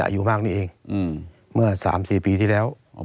อายุมากนี้เองเมื่อสามสี่ปีที่เรียว